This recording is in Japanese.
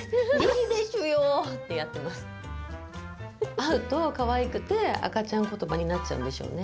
会うとかわいくて赤ちゃん言葉になっちゃうんでしょうね。